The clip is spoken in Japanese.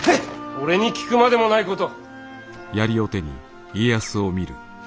俺に聞くまでもないこと。